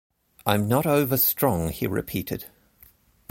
"I'm not over strong," he repeated.